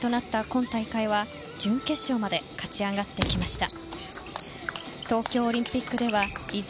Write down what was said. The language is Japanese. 今大会は準決勝まで勝ち上がってきました。